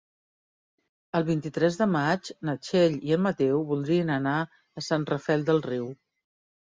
El vint-i-tres de maig na Txell i en Mateu voldrien anar a Sant Rafel del Riu.